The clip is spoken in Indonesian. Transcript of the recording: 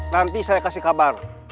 nanti saya kasih kabar